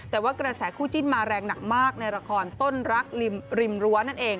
แต่ว่ากระแสคู่จิ้นมาแรงหนักมากในละครต้นรักริมรั้วนั่นเอง